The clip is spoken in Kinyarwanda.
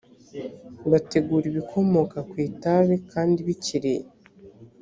bategura ibikomoka ku itabi kandi bikiri